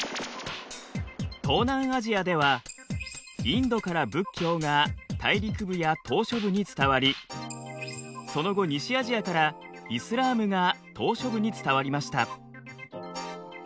東南アジアではインドから仏教が大陸部や島しょ部に伝わりその後西アジアからイスラームが島しょ部に伝わりました。